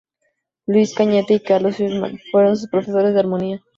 Luis Cañete y Carlos Schwartzman fueron sus profesores de armonía.